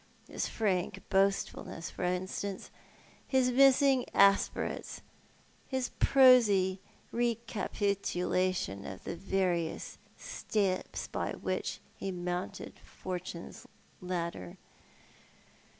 His frank boastfulness, for instance — his missing aspirates — his prosy recapitulation of the various steps by which he mounted Fortune's ladder.